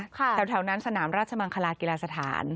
แถวนั้นสนามราชมังคลากีฬาสถาน